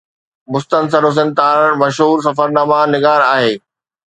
مستنصر حسين تارڙ مشهور سفرناما نگار آهي